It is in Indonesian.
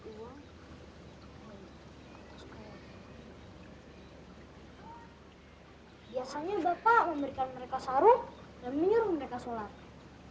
biasanya bapak memberikan mereka sarung dan menyuruh mereka sholat